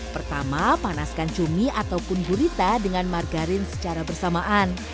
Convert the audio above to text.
pertama panaskan cumi ataupun gurita dengan margarin secara bersamaan